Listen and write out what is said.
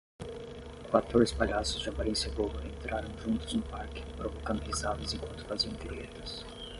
Quatorze palhaços de aparência boba entraram juntos no parque provocando risadas enquanto faziam piruetas.